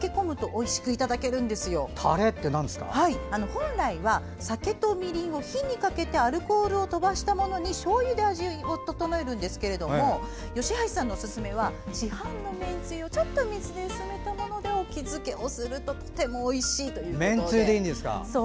本来は酒とみりんを火にかけてアルコールをとばしたものにしょうゆで味を調えて作るんですが吉橋さんのおすすめは市販のめんつゆをちょっと水で薄めたものを沖漬けをするととてもおいしいということで。